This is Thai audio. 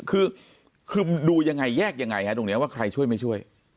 คือดูยังไงแยกยังไงฮะตรงนี้ว่าใครช่วยไม่ช่วย